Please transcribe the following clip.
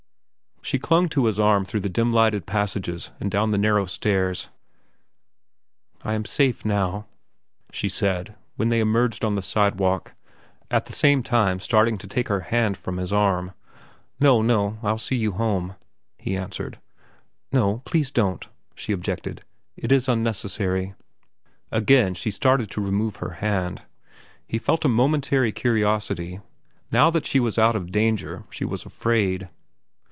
She clung to his arm through the dim lighted passages and down the narrow stairs. "I am safe now," she said, when they emerged on the sidewalk, at the same time starting to take her hand from his arm. "No, no, I'll see you home," he answered. "No, please don't," she objected. "It is unnecessary." Again she started to remove her hand. He felt a momentary curiosity. Now that she was out of danger she was afraid.